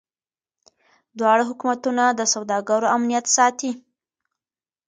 دواړه حکومتونه د سوداګرو امنیت ساتي.